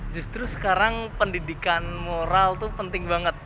justru sekarang pendidikan moral itu penting banget